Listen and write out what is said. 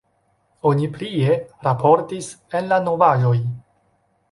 Oni prie raportis en la novaĵoj.